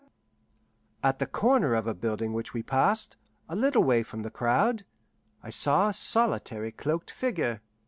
At the corner of a building which we passed, a little away from the crowd, I saw a solitary cloaked figure.